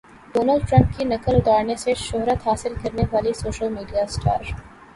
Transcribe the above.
Donald Trump کی نقل اتارنے سے شہرت حاصل کرنے والی سوشل میڈیا اسٹار